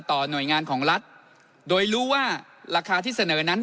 หน่วยงานของรัฐโดยรู้ว่าราคาที่เสนอนั้น